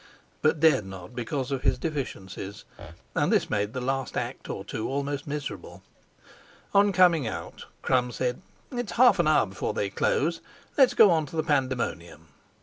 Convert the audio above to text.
but dared not, because of his deficiencies; and this made the last act or two almost miserable. On coming out Crum said: "It's half an hour before they close; let's go on to the Pandemonium."